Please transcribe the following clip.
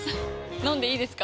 飲んでいいですか？